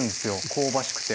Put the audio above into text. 香ばしくて。